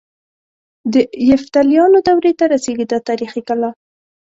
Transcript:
د یفتلیانو دورې ته رسيږي دا تاریخي کلا.